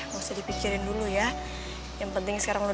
terus di gitu ian kerja buat ngebahagiain gue